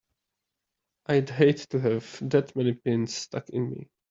I'd hate to have that many pins stuck in me!